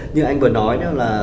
như anh vừa nói